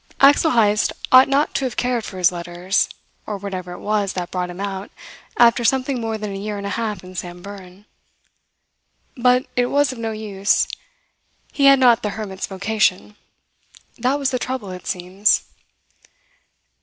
Axel Heyst ought not to have cared for his letters or whatever it was that brought him out after something more than a year and a half in Samburan. But it was of no use. He had not the hermit's vocation! That was the trouble, it seems.